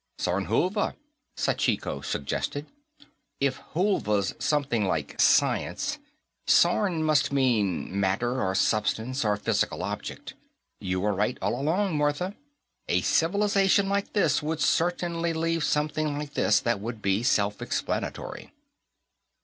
"Sornhulva," Sachiko suggested. "If hulva's something like science, "sorn" must mean matter, or substance, or physical object. You were right, all along, Martha. A civilization like this would certainly leave something like this, that would be self explanatory."